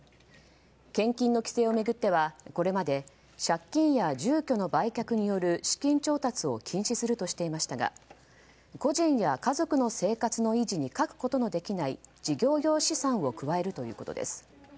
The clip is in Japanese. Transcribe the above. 献金の規制を巡ってはこれまで借金や住居の売却による資金調達を禁止するとしていましたが個人や家族の生活の維持に欠くことのできない事業用資産を加えるということです。